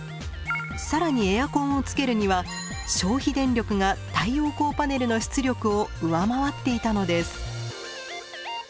さらにエアコンをつけるには消費電力が太陽光パネルの出力を上回っていたのです。